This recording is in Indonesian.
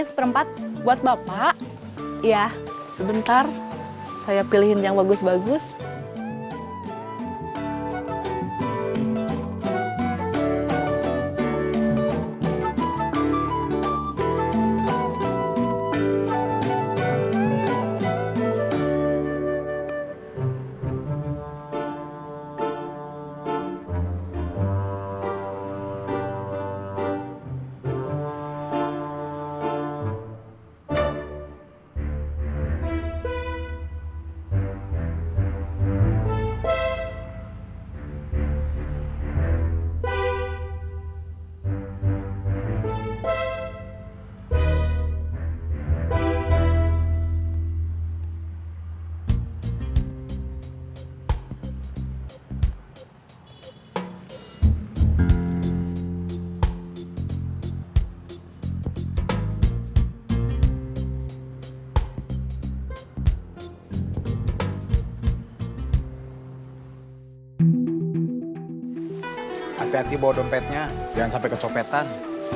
semua yang mau belanja saya ingetin